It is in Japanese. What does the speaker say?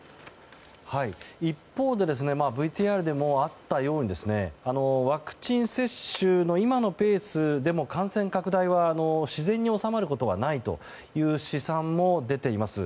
一方でＶＴＲでもあったようにワクチン接種の今のペースでも感染拡大は自然に収まることはないとの試算も出ています。